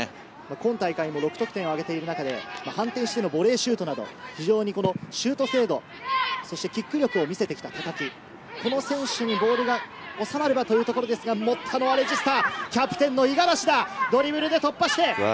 今大会、６得点を挙げている中で反転してのボレーシュートなど、シュート精度、キック力を見せてきた高木、この選手にボールが収まればというところですが、持ったのはレジスタ、キャプテンの五十嵐。